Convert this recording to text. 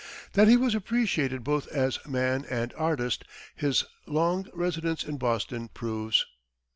That he was appreciated both as man and artist his long residence in Boston proves.